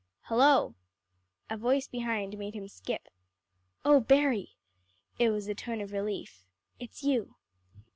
"Hullo!" A voice behind made him skip. "Oh, Berry," it was a tone of relief, "it's you."